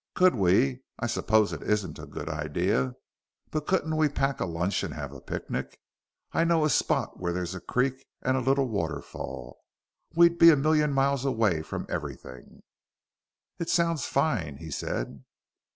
Could we I suppose it isn't a good idea, but couldn't we pack a lunch and have a picnic? I know a spot where there's a creek and a little waterfall. We'd be a million miles away from everything." "It sounds fine," he said.